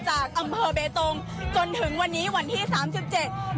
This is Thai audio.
จนถึงวันนี้วันที่๓๗